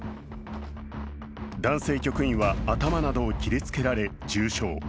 男性局員は頭などを切りつけられ、重傷。